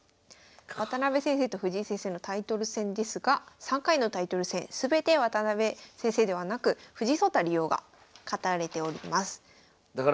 渡辺先生と藤井先生のタイトル戦ですが３回のタイトル戦全て渡辺先生ではなく藤井聡太竜王が勝たれております。